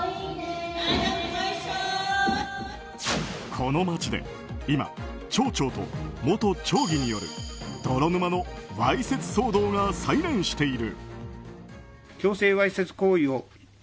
この町で今町長と元町議による泥沼のわいせつ騒動が再燃している。